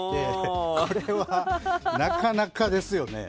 これはなかなかですよ。